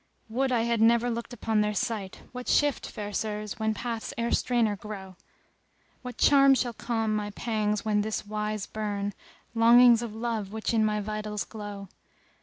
Would I had never looked upon their sight, * What shift, fair sirs, when paths e'er strainer grow? What charm shall calm my pangs when this wise burn * Longings of love which in my vitals glow?